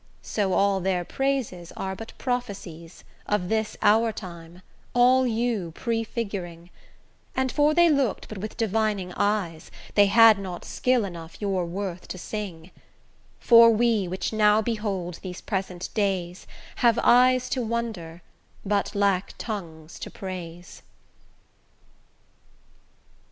So all their praises are but prophecies Of this our time, all you prefiguring; And for they looked but with divining eyes, They had not skill enough your worth to sing: For we, which now behold these present days, Have eyes to wonder, but lack tongues to praise.